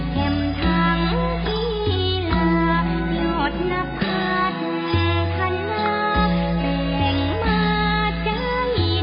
เข้มทางกีฬาหยดนักภาษาและธนาแสงมาใจใดตัวโลกเธอท้ายปวดใจ